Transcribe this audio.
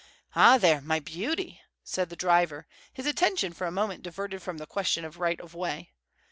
"Ah, there, my beauty!" said the driver, his attention for a moment diverted from the question of right of way.